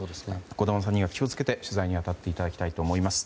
児玉さんには気を付けて取材に当たっていただきたいと思います。